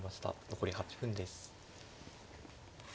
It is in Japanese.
残り８分です。